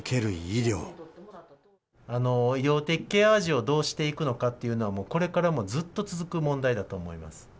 医療的ケア児をどうしていくかっていうのは、もうこれからもずっと続く問題だと思います。